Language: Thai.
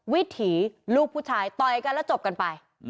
วิถีลูกผู้ชายต่อยกันแล้วจบกันไป